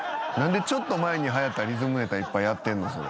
何でちょっと前にはやったリズムネタいっぱいやってんの？